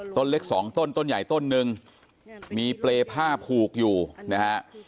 ต้นเล็กสองต้นต้นใหญ่ต้นหนึ่งมีเปรย์ผ้าผูกอยู่นะฮะ